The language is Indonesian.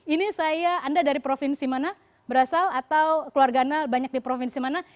ini saya anda dari provinsi mana berasal atau keluarga anda banyak di provinsi mana